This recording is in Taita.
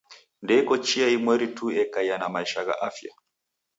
Ndeiko chia imweri tu ekaia na maisha gha afya.